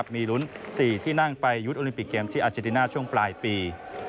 มีลุ้น๔ที่นั่งไปยุทธ์โอลิมปิกเกมที่อาเจติน่าช่วงปลายปี